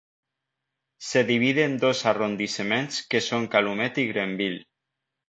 Se divide en dos arrondissements que son Calumet y Grenville.